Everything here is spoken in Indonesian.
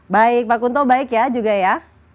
baik pak kunto baik ya juga ya